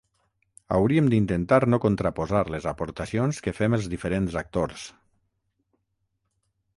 Hauríem d’intentar no contraposar les aportacions que fem els diferents actors.